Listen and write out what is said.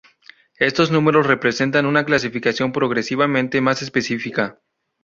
Estos números representan una clasificación progresivamente más específica.